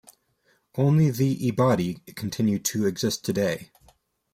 Only the Ibadi continue to exist today.